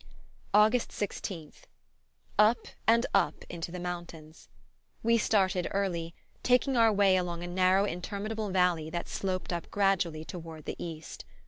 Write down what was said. August 16th. Up and up into the mountains. We started early, taking our way along a narrow interminable valley that sloped up gradually toward the east.